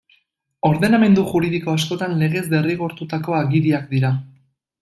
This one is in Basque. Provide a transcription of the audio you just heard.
Ordenamendu juridiko askotan legez derrigortutako agiriak dira.